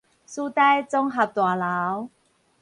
師大綜合大樓